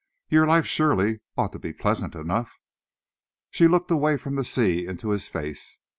Your life, surely, ought to be pleasant enough." She looked away from the sea into his face.